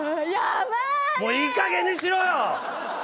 もういい加減にしろよ！